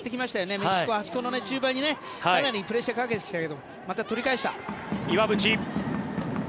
メキシコはあそこの中盤にかなりプレッシャーをかけてきたけどまた取り返した。